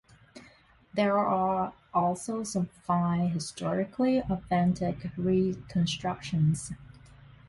There are also some fine, historically authentic reconstructions.